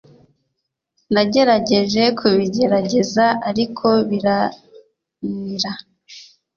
nagerageje kubigerageza ariko biranira